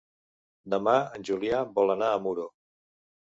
Demà en Julià vol anar a Muro.